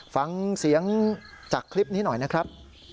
ฟังเสียงจากคลิปนี้หน่อยนะครับ